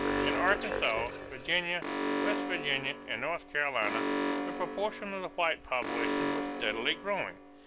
In Arkansas, Virginia, West Virginia, and North Carolina the proportion of the white population was steadily growing.